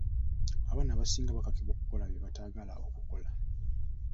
Abaana abasinga bakakibwa okukola bye batayagala okukola.